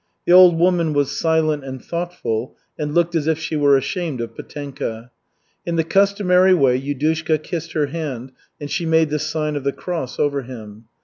The old woman was silent and thoughtful, and looked as if she were ashamed of Petenka. In the customary way Yudushka kissed her hand, and she made the sign of the cross over him.